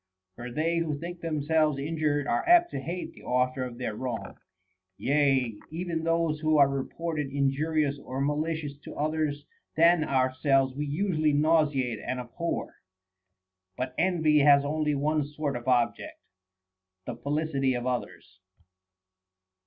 For they who think themselves injured are apt to hate the author of their wrong ; yea, even those who are reputed injurious or malicious to others than ourselves we usually nauseate and abhor. But envy has only one sort of object, the felicity of others.